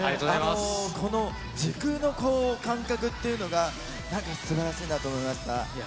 この時空の感覚っていうのが、なんかすばらしいなと思いました。